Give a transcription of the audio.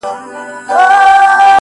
راوړم سکروټې تر دې لویي بنگلي پوري،